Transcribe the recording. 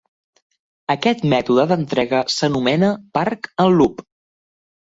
Aquest mètode d'entrega s'anomena "park and loop".